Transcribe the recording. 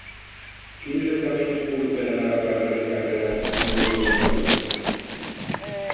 Quin és el camí més curt per anar al carrer de Carreras número vuitanta-vuit?